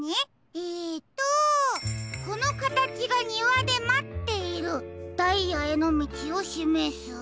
えっと「このかたちがにわでまっているダイヤへのみちをしめす」。